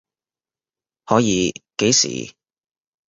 可以，幾時？